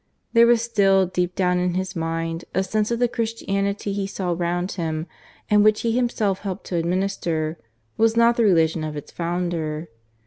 There was still, deep down in his mind, a sense that the Christianity he saw round him, and which he himself helped to administer, was not the religion of its Founder.